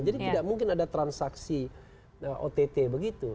jadi tidak mungkin ada transaksi ott begitu